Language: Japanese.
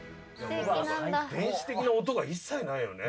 電子的な音が一切ないよね。